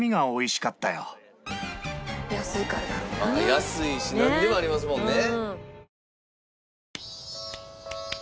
安いしなんでもありますもんね。